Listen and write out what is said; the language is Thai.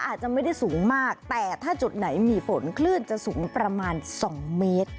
อาจจะไม่ได้สูงมากแต่ถ้าจุดไหนมีฝนคลื่นจะสูงประมาณ๒เมตร